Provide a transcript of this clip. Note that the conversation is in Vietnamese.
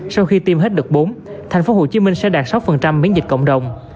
sau khi tiêm hết đợt bốn tp hcm sẽ đạt sáu miễn dịch cộng đồng